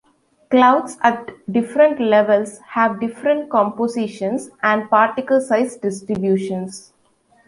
Clouds at different levels have different compositions and particle size distributions.